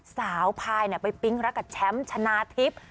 พายไปปิ๊งรักกับแชมป์ชนะทิพย์